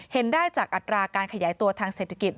เห็นได้จากอัตราการขยายตัวทางเศรษฐกิจ